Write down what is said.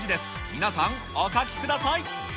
皆さん、お書きください。